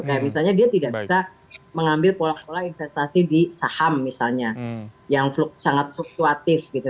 kayak misalnya dia tidak bisa mengambil pola pola investasi di saham misalnya yang sangat fluktuatif gitu